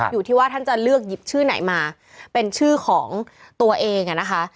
อยู่ที่ว่าท่านจะเลือกหยิบชื่อไหนมาเป็นชื่อของตัวเองนะคะ